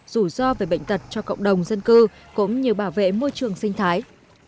rủi ro về bệnh tật cho cộng đồng dân cư cũng như bảo vệ môi trường sinh thái